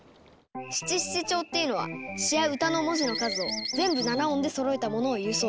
七七調っていうのは詩や歌の文字の数を全部７音でそろえたものをいうそうです。